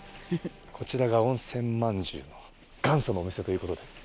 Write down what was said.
こちらが温泉まんじゅうの元祖のお店ということで。